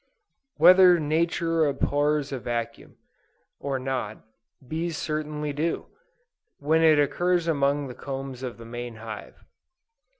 Whether "nature abhors a vacuum," or not, bees certainly do, when it occurs among the combs of their main hive.